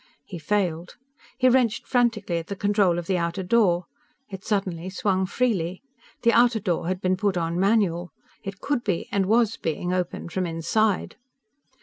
He failed. He wrenched frantically at the control of the outer door. It suddenly swung freely. The outer door had been put on manual. It could be and was being opened from inside.